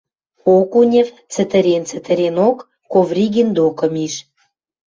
Окунев, цӹтӹрен-цӹтӹренок, Ковригин докы миш.